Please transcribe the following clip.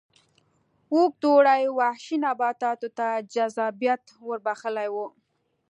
اوږد اوړي وحشي نباتاتو ته جذابیت ور بخښلی و.